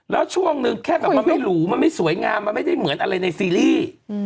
แล้วช่วงนึงแค่ไงไม่หรูไม่สวยงามไม่ได้เหมือนอะไรในซีรีย์